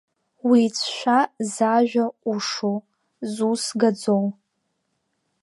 Уицәшәа зажәа ҟәышу, зус гаӡоу.